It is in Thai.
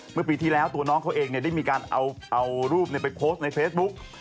เมื่อปีที่แล้วตัวน้องเขาเองได้มีการเอารูปไปโพสต์ในเฟซบุ๊ก